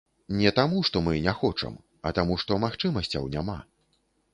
Не таму, што мы не хочам, а таму, што магчымасцяў няма.